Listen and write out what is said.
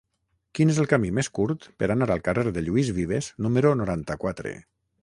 Quin és el camí més curt per anar al carrer de Lluís Vives número noranta-quatre?